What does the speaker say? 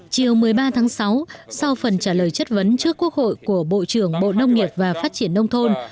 chiều một mươi ba tháng sáu sau phần trả lời chất vấn trước quốc hội của bộ trưởng bộ nông nghiệp và phát triển nông thôn